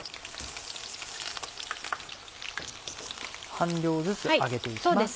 半量ずつ揚げて行きます。